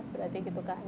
berarti gitu kan